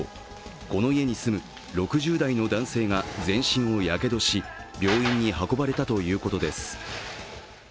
この家に住む６０代の男性が全身をやけどし、病院に運ばれたということです。